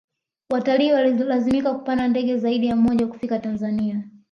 watalii walilazimika kupanda ndege zaidi ya moja kufika tanzania